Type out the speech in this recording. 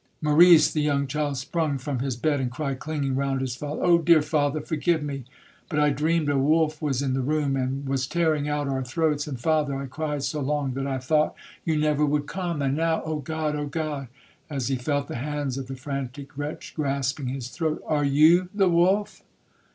Maurice, the young child, sprung from his bed, and cried, clinging round his father, 'Oh, dear father, forgive me!—but I dreamed a wolf was in the room, and was tearing out our throats; and, father, I cried so long, that I thought you never would come. And now—Oh God! oh God!'—as he felt the hands of the frantic wretch grasping his throat,—'are you the wolf?'